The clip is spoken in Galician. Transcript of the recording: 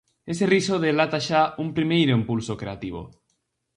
Ese riso delata xa un primeiro impulso creativo.